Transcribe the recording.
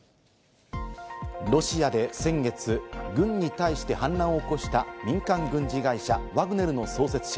ロシアで先月、軍に対して反乱を起こした民間軍事会社ワグネルの創設者